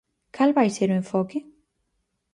Cal vai ser o enfoque?